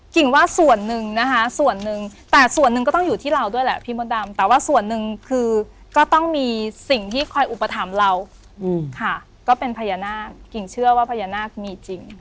ว่าส่วนหนึ่งนะคะส่วนหนึ่งแต่ส่วนหนึ่งก็ต้องอยู่ที่เราด้วยแหละพี่มดดำแต่ว่าส่วนหนึ่งคือก็ต้องมีสิ่งที่คอยอุปถัมภ์เราค่ะก็เป็นพญานาคกิ่งเชื่อว่าพญานาคมีจริง